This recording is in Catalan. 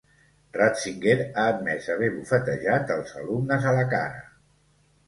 Ratzinger ha admès haver bufetejat els alumnes a la cara.